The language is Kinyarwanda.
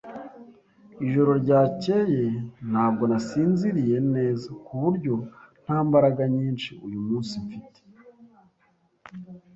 Ijoro ryakeye ntabwo nasinziriye neza, ku buryo nta mbaraga nyinshi uyu munsi mfite.